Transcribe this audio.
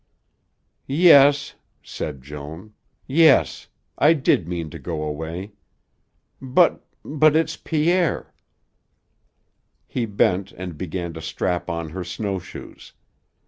"Yes," said Joan, "yes. I did mean to go away. But but it's Pierre." He bent and began to strap on her snowshoes.